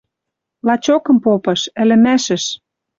Лачокым попыш. Ӹлӹмӓшӹш